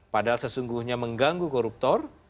padahal sesungguhnya mengganggu koruptor